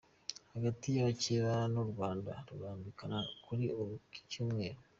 Hagati yabacyeba m’ urwanda Rurambikana kuri iki cyumweru